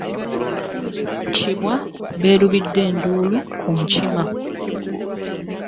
Kibwa beerubidde enduulu ku nkima.